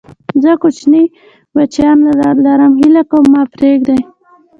زه کوچني بچيان لرم، هيله کوم ما پرېږدئ!